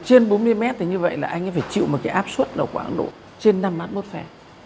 trên bốn mươi mét thì như vậy là anh ấy phải chịu một cái áp suất ở khoảng độ trên năm mát mốt phé